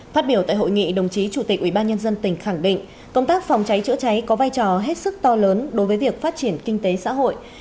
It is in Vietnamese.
phát biểu tại hội nghị đồng chí chủ tịch ubnd tỉnh khẳng định công tác phòng cháy chữa cháy có vai trò hết sức to lớn đối với việc phát triển kinh tế xã hội